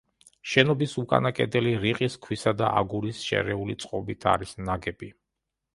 შენობის უკანა კედელი რიყის ქვისა და აგურის შერეული წყობით არის ნაგები.